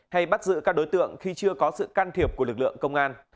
hay bắt giữ các đối tượng khi chưa có sự can thiệp của lực lượng công an